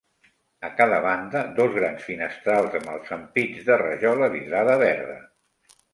A cada banda, dos grans finestrals amb els ampits de rajola vidrada verda.